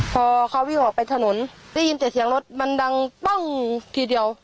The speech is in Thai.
พอเขาวิ่งออกไปถนนได้ยินแต่เสียงรถมันดังปั้งทีเดียว